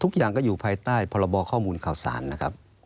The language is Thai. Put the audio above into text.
ทุกอย่างก็อยู่ภายใต้พรบข้อมูลข่าวสารนะครับ